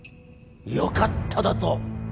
よかっただと！？